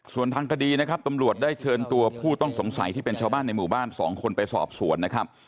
ส่วนทางคดีนะครับตำรวจได้เชิญตัวผู้ต้องสงสัยที่เป็นชาวบ้านในหมู่บ้าน๒คนไปสอบสวนนะครับ